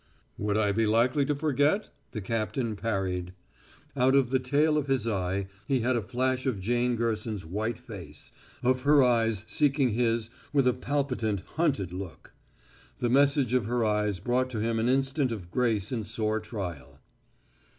"Would I be likely to forget?" the captain parried. Out of the tail of his eye he had a flash of Jane Gerson's white face, of her eyes seeking his with a palpitant, hunted look. The message of her eyes brought to him an instant of grace in sore trial.